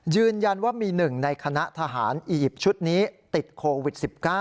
ยืนยันว่ามีหนึ่งในคณะทหารอียิปต์ชุดนี้ติดโควิด๑๙